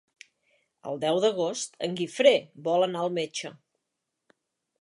El deu d'agost en Guifré vol anar al metge.